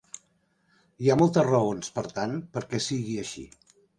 Hi ha moltes raons, per tant, perquè sigui així.